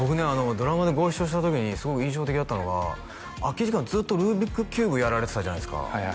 ドラマでご一緒した時にすごく印象的だったのが空き時間ずっとルービックキューブやられてたじゃないですか